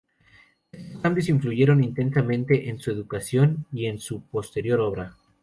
Estos cambios influyeron intensamente en su educación y en su posterior obra.